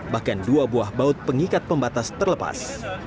bahkan dua buah baut pengikat pembatas terlepas